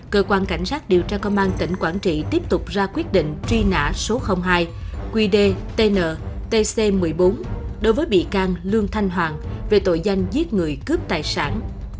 cơ quan cảnh sát điều tra công an tỉnh quảng trị tiếp tục ra quyết định truy nã số hai qd tn tc một mươi bốn đối với bị can lương thanh hoàng về tội danh giết người cướp tài sản